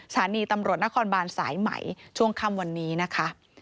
สถานีตำรวจนครบานสายใหม่ช่วงค่ำวันนี้นะคะ